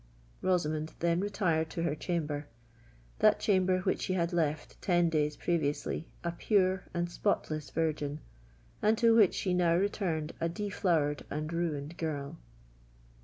Rosamond then retired to her chamber,—that chamber which she had left ten days previously a pure and spotless virgin, and to which she now returned a deflowered and ruined girl!